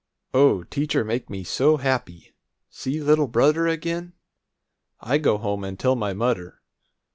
O, teacher make me so happy! See little brudder again! I go home and tell my mudder.